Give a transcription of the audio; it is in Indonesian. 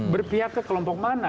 berpihak ke kelompok mana